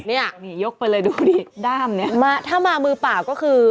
นี่ยกไปเลยดูดิด้ามเนี่ยถ้ามามือปากก็คือ